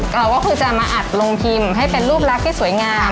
เราก็คือจะมาอัดโรงพิมพ์ให้เป็นรูปลักษณ์ที่สวยงาม